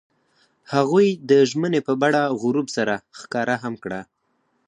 هغوی د ژمنې په بڼه غروب سره ښکاره هم کړه.